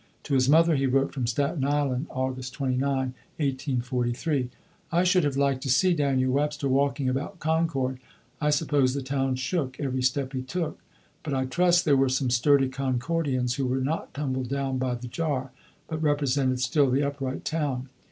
To his mother he wrote from Staten Island (August 29, 1843): "I should have liked to see Daniel Webster walking about Concord; I suppose the town shook, every step he took. But I trust there were some sturdy Concordians who were not tumbled down by the jar, but represented still the upright town.